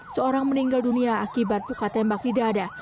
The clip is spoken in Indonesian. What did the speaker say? seorang meninggal dunia akibat luka tembak di dada